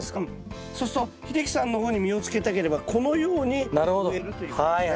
そうすると秀樹さんの方に実をつけたければこのように植えるということですね。